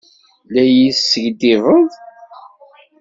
La yi-teskiddibeḍ?